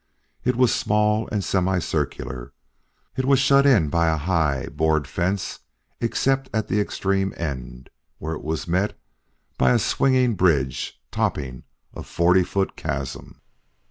It was small and semicircular; it was shut in by a high board fence except at the extreme end, where it was met by a swinging bridge topping a forty foot chasm.